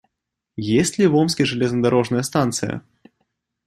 Есть ли в Омске железнодорожная станция?